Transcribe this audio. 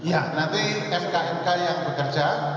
ya nanti mkmk yang bekerja